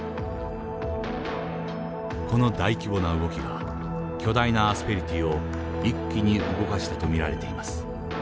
この大規模な動きが巨大なアスペリティを一気に動かしたと見られています。